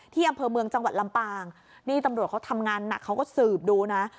อำเภอเมืองจังหวัดลำปางนี่ตำรวจเขาทำงานหนักเขาก็สืบดูนะ